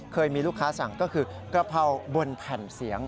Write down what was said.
เคยมีลูกค้าสั่งก็คือกะเพราบนแผ่นเสียง